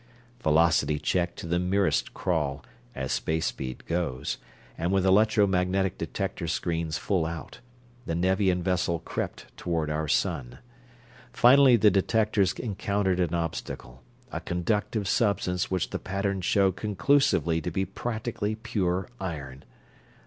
Velocity checked to the merest crawl, as space speed goes, and with electro magnetic detector screens full out, the Nevian vessel crept toward our sun. Finally the detectors encountered an obstacle, a conductive substance which the patterns showed conclusively to be practically pure iron.